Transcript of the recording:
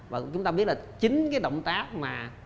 và chúng ta biết là chính cái động tác mà